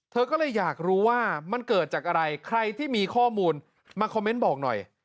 เธอก็เลยอยากรู้ว่ามันเกิดจากอะไรใครที่มีข้อมูลมาคอมเมนต์บอกหน่อย